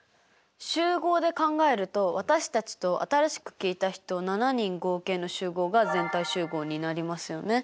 集合で考えると私たちと新しく聞いた人７人合計の集合が全体集合になりますよね。